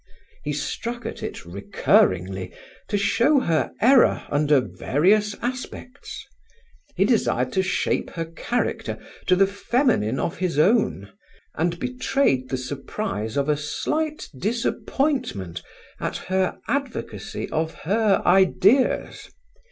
He struck at it recurringly to show her error under various aspects. He desired to shape her character to the feminine of his own, and betrayed the surprise of a slight disappointment at her advocacy of her ideas.